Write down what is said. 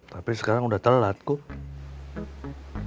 tapi sekarang udah telat kok